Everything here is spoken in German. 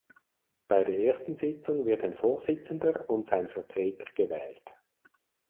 Bei der ersten Sitzung wird ein Vorsitzender und sein Vertreter gewählt.